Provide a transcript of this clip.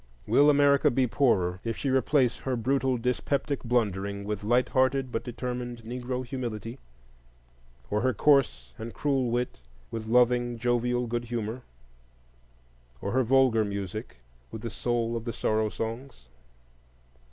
Will America be poorer if she replace her brutal dyspeptic blundering with light hearted but determined Negro humility? or her coarse and cruel wit with loving jovial good humor? or her vulgar music with the soul of the Sorrow Songs?